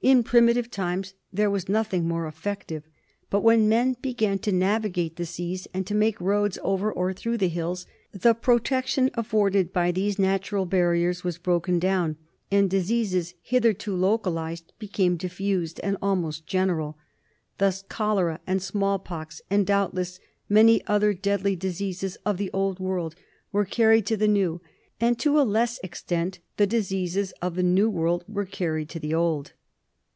In primitive times there THE DIFFUSION OF DISEASE. 213 was nothing more effective; but when men began to navigate the seas, and to make roads over or through the hills, the protection afforded by these natural barriers was broken down, and diseases hitherto localised became diffused and almost general. Thus cholera and small pox, and doubtless many other deadly diseases of the Old World were carried to the New, and to a less ex tent the diseases of the New World were carried to the Old.